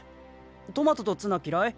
トマトとツナ嫌い？